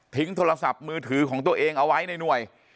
โทรศัพท์มือถือของตัวเองเอาไว้ในหน่วย